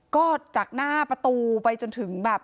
ก็จากหน้าประตูไปจนถึงแบบ